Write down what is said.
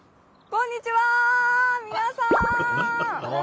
こんにちは！